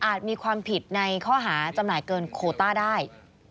มีความผิดในข้อหาจำหน่ายเกินโคต้าได้